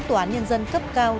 tòa nhân dân cấp cao